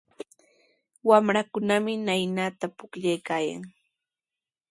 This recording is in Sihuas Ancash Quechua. Wamrakunami naanitraw pukllaykaayan.